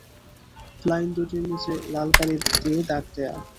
Line দুটির নিচে লাল কালি দিয়ে দাগ দেয়া।